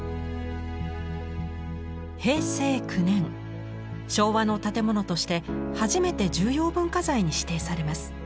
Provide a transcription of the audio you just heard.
平成９年昭和の建物として初めて重要文化財に指定されます。